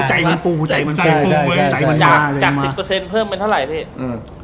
ใจมันฟูใจใจใจใจใจจากกับสิบเปอร์เซ็นต์เพิ่มเป็นเท่าไรเนี้ย